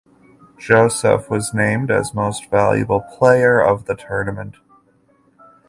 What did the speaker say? Joseph was named as Most Valuable Player of the tournament.